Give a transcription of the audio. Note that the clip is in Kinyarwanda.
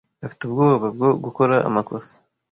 Afite ubwoba bwo gukora amakosa.